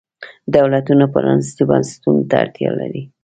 دولتونه پرانیستو بنسټونو ته اړتیا لري.